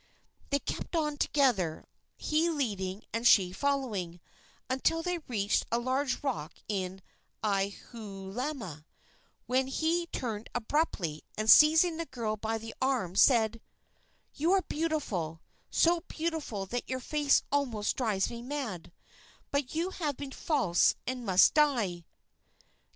They kept on together, he leading and she following, until they reached a large rock in Aihualama, when he turned abruptly, and, seizing the girl by the arm, said: "You are beautiful so beautiful that your face almost drives me mad; but you have been false and must die!"